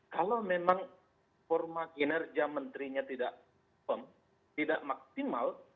kalau memang formakinerja menterinya tidak perform tidak maksimal